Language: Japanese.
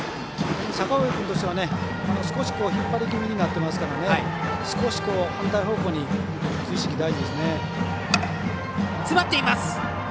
阪上君としては少し引っ張り気味になってますから少し反対方向という意識大事です。